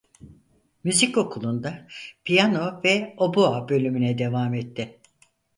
Müzik Okulu'nda piyano ve obua bölümüne devam etti.